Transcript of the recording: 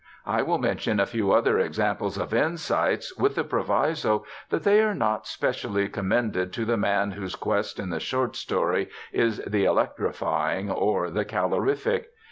I will mention a few other examples of insights with the proviso that they are not specially commended to the man whose quest in the short story is the electrifying or the calorific.